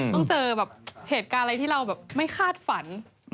ต้องเจอแบบเหตุการณ์อะไรที่เราแบบไม่คาดฝัน